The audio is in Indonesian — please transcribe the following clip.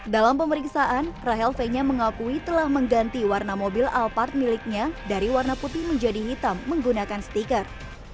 dalam pemeriksaan rahel fenya mengakui telah mengganti warna mobil alphard miliknya dari warna putih menjadi hitam menggunakan stiker